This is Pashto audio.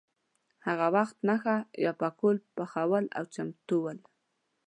هغه خپله نښه یا پکول پخول او چمتو وو.